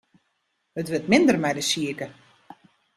It wurdt minder mei de sike.